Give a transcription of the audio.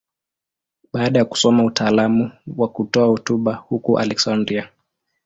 Baada ya kusoma utaalamu wa kutoa hotuba huko Aleksandria.